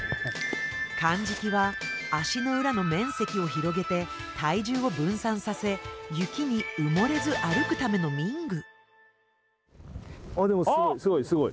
かんじきは足の裏の面積を広げて体重を分散させ雪に埋もれず歩くための民具。